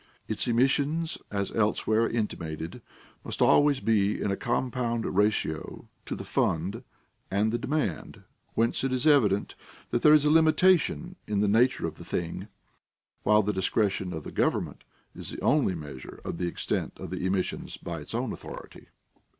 Its emissions, as elsewhere intimated, must always be in a compound ratio to the fund and the demand: whence it is evident, that there is a limitation in the nature of the thing; while the discretion of the government is the only measure of the extent of the emissions, by its own authority."